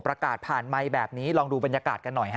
ประกาศผ่านไมค์แบบนี้ลองดูบรรยากาศกันหน่อยฮะ